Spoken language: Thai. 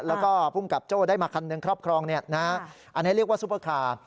แล้วก็ภูมิกับโจ้ได้มาคันหนึ่งครอบครองอันนี้เรียกว่าซุปเปอร์คาร์